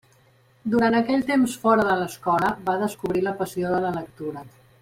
Durant aquell temps fora de l'escola, va descobrir la passió de la lectura.